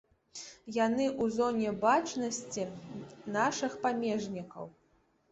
Яны ў зоне бачнасці нашых памежнікаў.